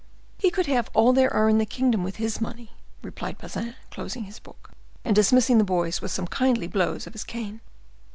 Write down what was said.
"He could have all there are in the kingdom with his money," replied Bazin, closing his book, and dismissing the boys with some kindly blows of his cane.